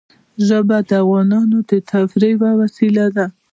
ژبې د افغانانو د تفریح یوه وسیله ده.